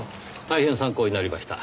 大変参考になりました。